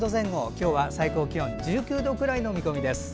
今日は最高気温１９度くらいの見込みです。